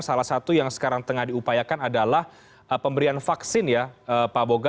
salah satu yang sekarang tengah diupayakan adalah pemberian vaksin ya pak boga